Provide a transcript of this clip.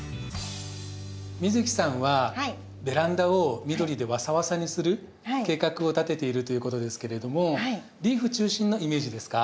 美月さんはベランダを緑でワサワサにする計画を立てているということですけれどもリーフ中心のイメージですか？